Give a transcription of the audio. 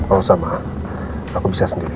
kalau sama aku bisa sendiri